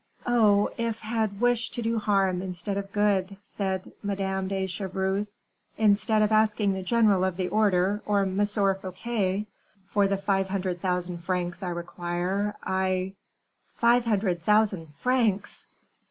"Oh! if had wished to do harm instead of good," said Madame de Chevreuse, "instead of asking the general of the order, or M. Fouquet, for the five hundred thousand francs I require, I " "_Five hundred thousand francs!